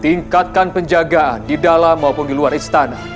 tingkatkan penjagaan di dalam maupun di luar istana